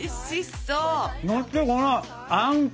そしてこのあんこ！